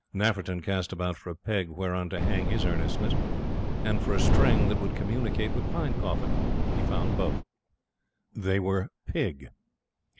Nafferton cast about for a peg whereon to hang his earnestness, and for a string that would communicate with Pinecoffin. He found both. They were Pig.